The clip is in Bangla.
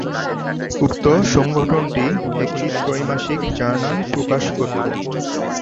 উক্ত সংগঠনটি একটি ত্রৈমাসিক জার্নাল প্রকাশ করত।